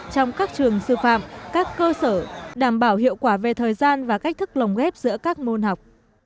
trong các trường sư phạm các cơ sở đảm bảo hiệu quả về thời gian và cách thức lồng ghép giữa các môn học